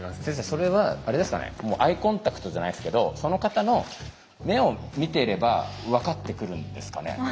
先生それはあれですかねもうアイコンタクトじゃないですけどその方の目を見てれば分かってくるんですかね？